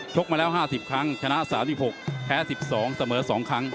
กมาแล้ว๕๐ครั้งชนะ๓๖แพ้๑๒เสมอ๒ครั้ง